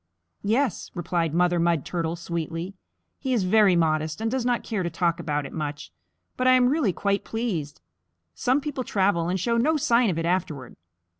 "Yes," replied Mother Mud Turtle sweetly. "He is very modest and does not care to talk about it much, but I am really quite pleased. Some people travel and show no sign of it afterward.